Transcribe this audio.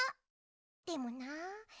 でもなあ